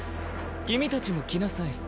君たちも来なさい。